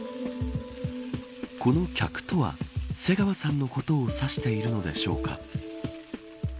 この客とは瀬川さんのことを指しているのでしょうか。